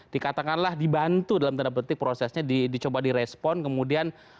dikatakanlah dibantu dalam tanda petik prosesnya dicoba direspon kemudian